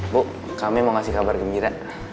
bu kami mau ngasih kabar gembira